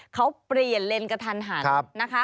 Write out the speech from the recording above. เขาเปลี่ยนเลนกระทันหัน